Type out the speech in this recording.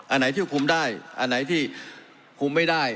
อันไหนที่คุมได้อันไหนที่คุมไม่ได้